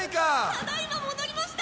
ただ今戻りました！